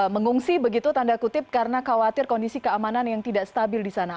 mengungsi begitu tanda kutip karena khawatir kondisi keamanan yang tidak stabil di sana